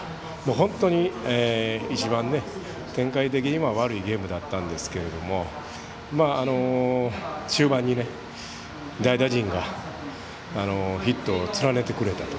本当に一番展開的には悪いゲームだったんですけど終盤に代打陣がヒットを連ねてくれたと。